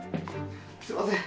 すいません